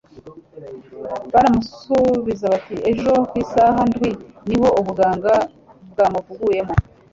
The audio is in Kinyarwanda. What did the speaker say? Baramusubuiza bati, “Ejo ku isaha ndwi, ni ho ubuganga bwamuvuyemo.